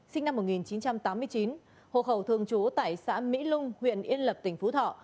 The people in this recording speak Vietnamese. sinh năm một nghìn chín trăm tám mươi chín hộ khẩu thường trú tại xã mỹ lung huyện yên lập tỉnh phú thọ